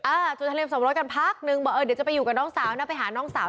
จดทะเบียสมรสกันพักนึงบอกเออเดี๋ยวจะไปอยู่กับน้องสาวนะไปหาน้องสาว